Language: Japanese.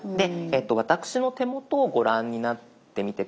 私の手元をご覧になってみて下さい。